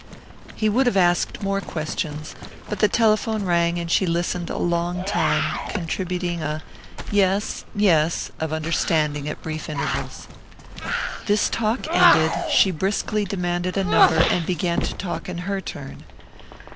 He would have asked more questions, but the telephone rang and she listened a long time, contributing a "yes, yes," of understanding at brief intervals. This talk ended, she briskly demanded a number and began to talk in her turn.